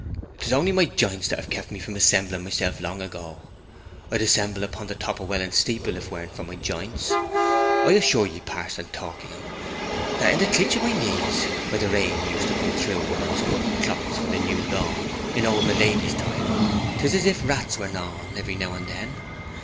''Tis only my jints that have kept me from assembling myself long ago. I'd assemble upon the top of Welland Steeple, if 'tweren't for my jints. I assure ye, Pa'son Tarkenham, that in the clitch o' my knees, where the rain used to come through when I was cutting clots for the new lawn, in old my lady's time, 'tis as if rats wez gnawing, every now and then.